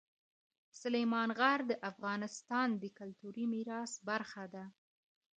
سلیمان غر د افغانستان د کلتوري میراث برخه ده.